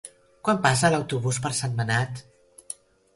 Quan passa l'autobús per Sentmenat?